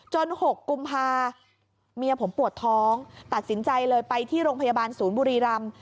๖กุมภาเมียผมปวดท้องตัดสินใจเลยไปที่โรงพยาบาลศูนย์บุรีรำ